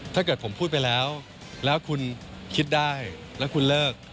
ถ้าเกิดผมพูดไปแล้วแล้วคุณคิดได้แล้วคุณเลิก